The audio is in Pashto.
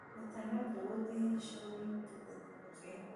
د تنور ډوډۍ ښه وي که د تبخي؟